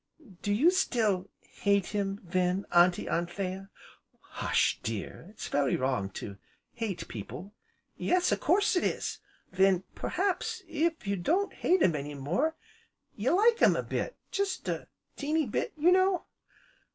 "Do you still hate him, then, Auntie Anthea?" "Hush, dear! it's very wrong to hate people." "Yes, a course it is! Then perhaps, if you don't hate him any more you like him a bit, jest a teeny bit, you know?"